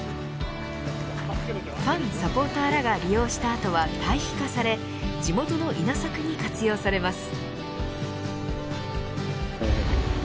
ファン、サポーターらが利用した後は堆肥化され地元の稲作に活用されます。